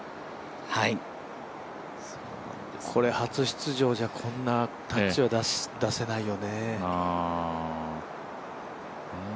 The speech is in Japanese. これ、初出場じゃこんなタッチは出せないよね。